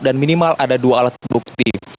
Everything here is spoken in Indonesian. dan minimal ada dua alat bukti